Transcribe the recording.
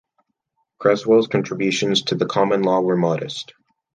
Cresswell's contributions to the common law were modest.